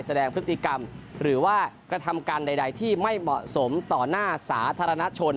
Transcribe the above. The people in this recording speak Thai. แสดงพฤติกรรมหรือว่ากระทำการใดที่ไม่เหมาะสมต่อหน้าสาธารณชน